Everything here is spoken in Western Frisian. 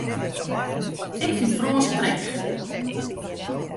Ik fyn Frânsk dreech.